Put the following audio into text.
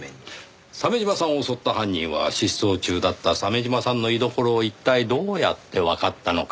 鮫島さんを襲った犯人は失踪中だった鮫島さんの居所を一体どうやってわかったのか。